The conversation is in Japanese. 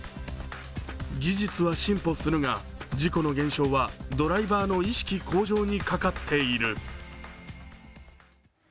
技術は進歩するが事故の減少はドライバーの意識向上にかかっている。